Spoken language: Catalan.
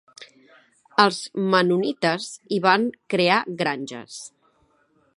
Els Mennonites hi van crear granges.